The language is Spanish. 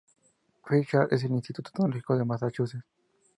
Pritchard en el Instituto Tecnológico de Massachusetts.